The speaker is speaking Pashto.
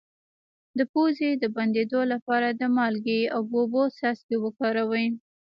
د پوزې د بندیدو لپاره د مالګې او اوبو څاڅکي وکاروئ